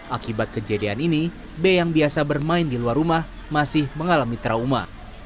akibat kejadian ini b yang biasa bermain di luar rumah masih mengalami trauma